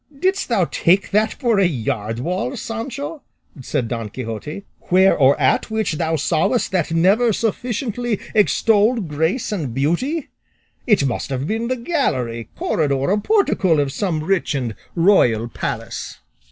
"Didst thou take that for a yard wall, Sancho," said Don Quixote, "where or at which thou sawest that never sufficiently extolled grace and beauty? It must have been the gallery, corridor, or portico of some rich and royal palace."